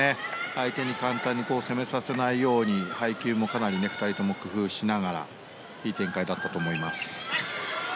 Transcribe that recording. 相手に簡単に攻めさせないように配球もかなり２人とも工夫しながらいい展開だったと思います。